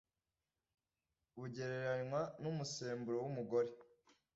bugereranywa n umusemburo w umugore